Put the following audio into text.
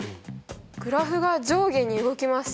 グラフが上下に動きます